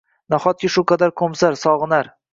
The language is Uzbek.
Nahotki shu qadar qo‘msar, sog‘inar